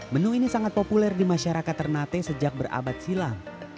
menu ini sangat populer di masyarakat ternate sejak berabad silam